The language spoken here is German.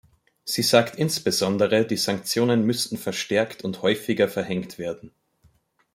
Sie sagt insbesondere, die Sanktionen müssten verstärkt und häufiger verhängt werden.